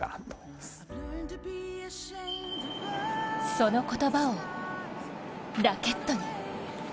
その言葉をラケットに。